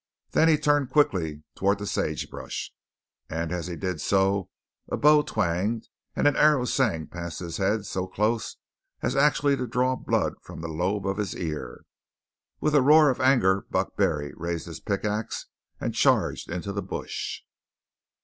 Then he turned quickly toward the sage brush; and as he did so a bow twanged and an arrow sang past his head so close as actually to draw blood from the lobe of his ear. With a roar of anger Buck Barry raised his pickaxe and charged into the bush.